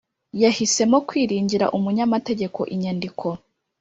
yahisemo kwiringira umunyamategeko inyandiko.